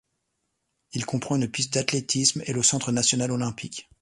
Il comprend une piste d'athlétisme et le centre national olympique.